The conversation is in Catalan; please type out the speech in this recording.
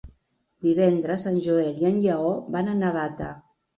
Divendres en Joel i en Lleó van a Navata.